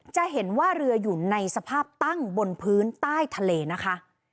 จะเห็นว่าเรืออยู่ในสภาพตั้งบนพื้นใต้ทะเลนะคะ